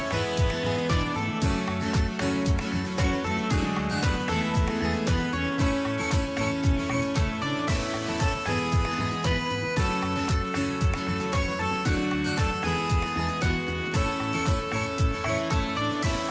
โปรดติดตามตอนต่อไป